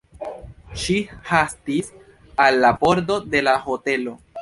Ŝi hastis al la pordo de la hotelo.